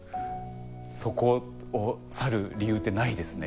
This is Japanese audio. そこを去る理由ってないですね。